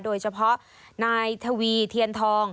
โดยเฉพาะนายทวีเทียนทอง